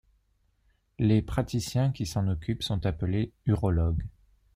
Les praticiens qui s'en occupent sont appelés urologues.